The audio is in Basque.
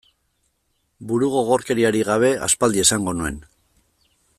Burugogorkeriarik gabe aspaldi esango nuen.